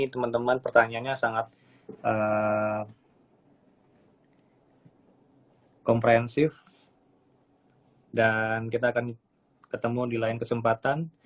teman teman pertanyaannya sangat komprehensif dan kita akan ketemu di lain kesempatan